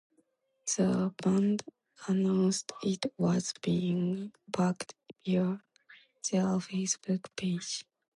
The band announced it was being "parked" via their facebook page.